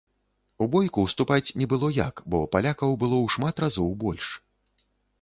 У бойку ўступаць не было як, бо палякаў было ў шмат разоў больш.